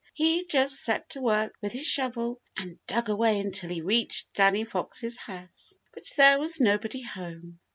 He just set to work with his shovel and dug away until he reached Danny Fox's house. But there was nobody home.